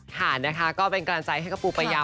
ค่ะนะคะก็เป็นกำลังใจให้กับปูปายา